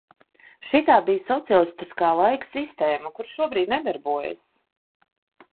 Šitā bija sociālistiskā laika sistēma, kura šobrīd nedarbojas.